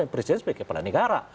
presiden sebagai kepala negara